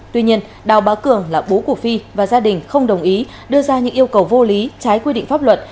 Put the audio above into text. tuy nhiên đào bá cường là bố của phi và gia đình không đồng ý đưa ra những yêu cầu vô lý trái quy định pháp luật